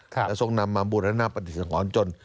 และทรงนำมาบูรณาปฏิเสธหวานจน